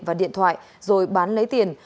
và điện thoại rồi bán lấy tiền